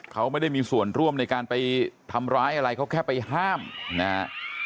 เขาไม่ได้มีส่วนร่วมในการไปทำร้ายอะไรเขาแค่ไปห้ามนะฮะ